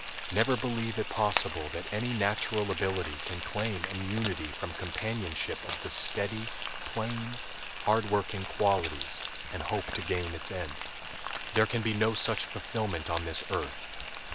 Never believe it possible that any natural ability can claim immunity from companionship of the steady, plain, hard working qualities, and hope to gain its end. There can be no such fulfillment on this earth.